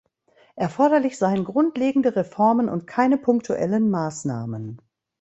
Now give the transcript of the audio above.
Erforderlich seien grundlegende Reformen und keine punktuellen Massnahmen.